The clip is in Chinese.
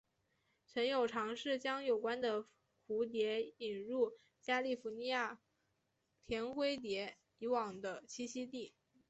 曾有尝试将有关的蝴蝶引入加利福尼亚甜灰蝶以往的栖息地。